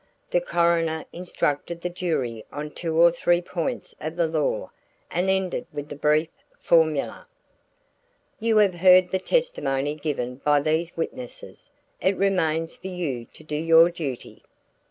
The coroner instructed the jury on two or three points of law and ended with the brief formula: "You have heard the testimony given by these witnesses. It remains for you to do your duty."